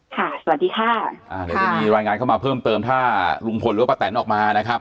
สวัสดีค่ะอ่าเดี๋ยวจะมีรายงานเข้ามาเพิ่มเติมถ้าลุงพลหรือว่าป้าแตนออกมานะครับ